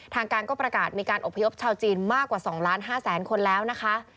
ทางการก็ประกาศมีการอบพยพชาวจีนมากกว่า๒ล้าน๕แสนคนแล้วนะคะ